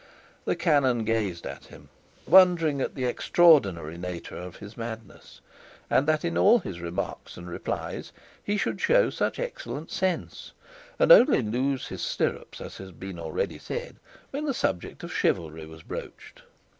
The canon gazed at him, wondering at the extraordinary nature of his madness, and that in all his remarks and replies he should show such excellent sense, and only lose his stirrups, as has been already said, when the subject of chivalry was broached.